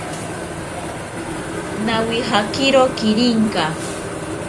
Nawijakiro kirinka